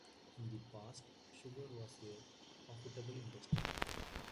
In the past, sugar was a profitable industry.